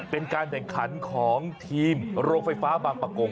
เป็นการแข่งขันของทีมโรงไฟฟ้าบางประกง